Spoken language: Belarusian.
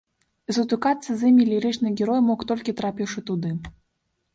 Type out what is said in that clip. І сутыкацца з імі лірычны герой мог толькі трапіўшы туды.